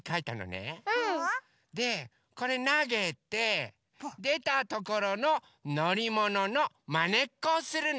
うん！でこれなげてでたところののりもののまねっこをするの。